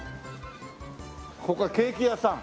ここはケーキ屋さん？